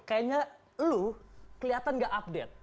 kayaknya lu kelihatan gak update